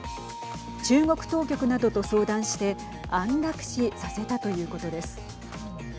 中国当局などと相談して安楽死させたということです。